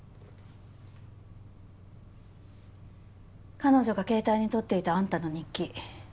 彼女が携帯に撮っていたあんたの日記。